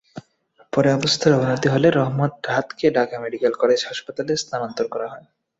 পরে অবস্থার অবনতি হলে রাহাতকে ঢাকা মেডিকেল কলেজ হাসপাতালে স্থানান্তর করা হয়।